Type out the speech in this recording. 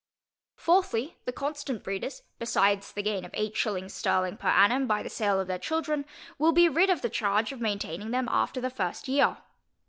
Fourthly, The constant breeders, besides the gain of eight shillings sterling per annum by the sale of their children, will be rid of the charge of maintaining them after the first year.